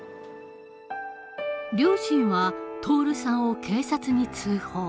両親は徹さんを警察に通報。